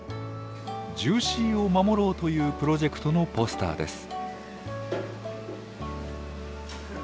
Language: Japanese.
ジューシーを守ろうというプロジェクトのポスターです。